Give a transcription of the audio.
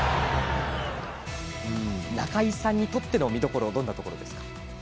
中井さんにとっての見どころはどんなところですか。